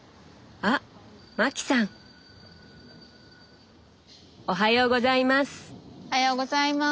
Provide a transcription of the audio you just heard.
あっマキさん！おはようございます。